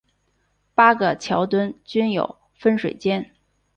八个桥墩均有分水尖。